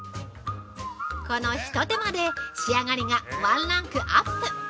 ◆この一手間で仕上がりがワンランクアップ。